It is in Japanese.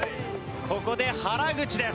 ここで原口です。